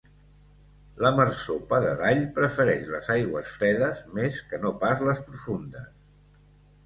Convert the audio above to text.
La marsopa de Dall prefereix les aigües fredes més que no pas les profundes.